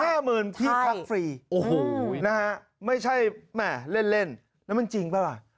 ห้าหมื่นที่พักฟรีโอ้โหนะฮะไม่ใช่แหม่เล่นเล่นแล้วมันจริงเปล่าล่ะ